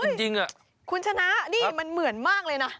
มันเยอะจริงคุณชนะนี่มันเหมือนมากเลยนะ